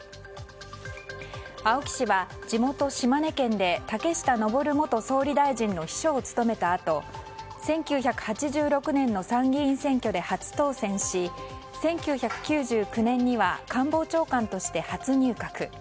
青木氏は地元・島根県で竹下登元総理大臣の秘書を務めたあと、１９８６年の参議院選挙で初当選し１９９９年には官房長官として初入閣。